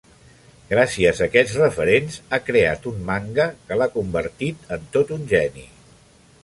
Gràcies a aquests referents ha creat un manga que l'ha convertit en tot un geni.